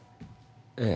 ええ。